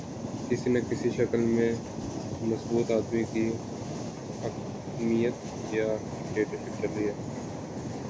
کسی نہ کسی شکل میں مضبوط آدمی کی حاکمیت یا ڈکٹیٹرشپ چل رہی تھی۔